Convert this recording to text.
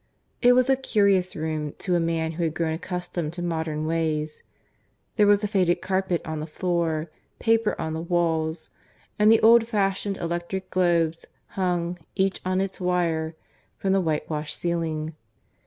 It was a curious room to a man who had grown accustomed to modern ways; there was a faded carpet on the floor, paper on the walls, and the old fashioned electric globes hung, each on its wire, from the whitewashed ceiling.